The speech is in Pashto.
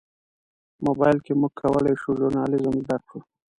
موبایل کې موږ کولی شو ژورنالیزم زده کړو.